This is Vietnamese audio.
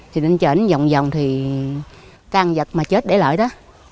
thì anh trần vòng vòng thì tan vật mà chết để lại đó